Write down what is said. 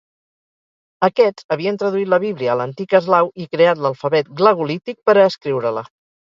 Aquests havien traduït la Bíblia a l'antic eslau i creat l'alfabet glagolític per a escriure-la.